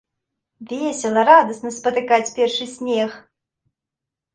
Весела, радасна спатыкаць першы снег!